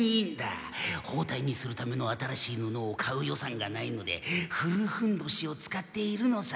ほうたいにするための新しいぬのを買う予算がないので古ふんどしを使っているのさ。